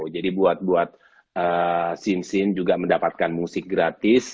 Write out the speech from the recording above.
jadi buat syn syn juga mendapatkan musik gratis